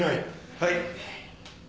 はい！